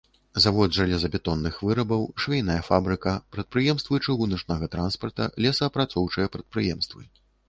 Завод жалезабетонных вырабаў, швейная фабрыка, прадпрыемствы чыгуначнага транспарта, лесаапрацоўчыя прадпрыемствы.